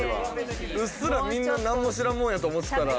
うっすらみんななんも知らんもんやと思ってたら。